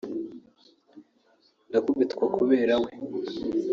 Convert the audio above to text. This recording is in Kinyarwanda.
ndakubitwa kubera we